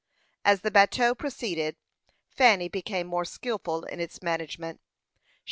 As the bateau proceeded, Fanny became more skilful in its management.